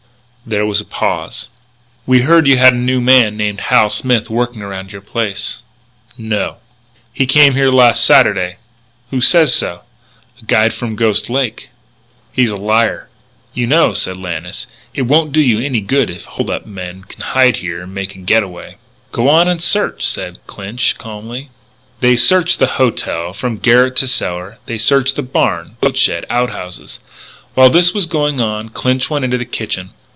There was a pause. "We heard you had a new man named Hal Smith working around your place." "No." "He came here Saturday night." "Who says so?" "A guide from Ghost Lake." "He's a liar." "You know," said Lannis, "it won't do you any good if hold up men can hide here and make a getaway." "G'wan and search," said Clinch, calmly. They searched the "hotel" from garret to cellar. They searched the barn, boat shed, out houses. While this was going on, Clinch went into the kitchen.